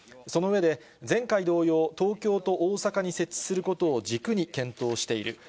その上で、前回同様、東京と大阪に設置することを軸に検討している。